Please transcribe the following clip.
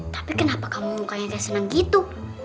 tapi kenapa kamu mukanya dia senang gitu